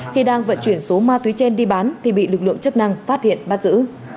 khi đang vận chuyển số ma túy trên đi bán thì bị lực lượng chức năng phát hiện bắt giữ